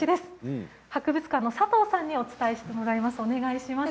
博物館の佐藤さんにお伝えしてもらいます。